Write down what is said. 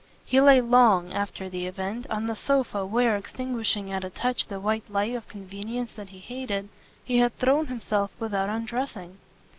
He lay long, after the event, on the sofa where, extinguishing at a touch the white light of convenience that he hated, he had thrown himself without undressing.